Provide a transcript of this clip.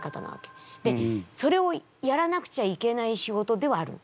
でそれをやらなくちゃいけない仕事ではあるの。